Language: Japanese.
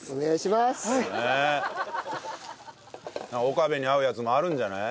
岡部に合うやつもあるんじゃない。